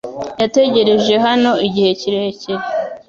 Yategereje hano igihe kirekire.